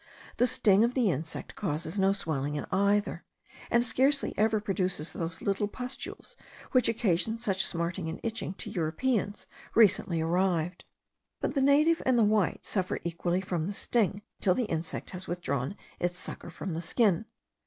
The sting of the insect causes no swelling in either; and scarcely ever produces those little pustules which occasion such smarting and itching to Europeans recently arrived. But the native and the White suffer equally from the sting, till the insect has withdrawn its sucker from the skin.